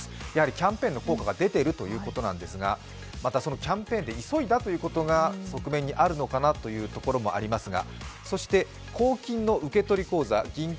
キャンペーンの効果が出ているということなんですがまたそのキャンペーンで急いだということが側面にあるのかと思いますが。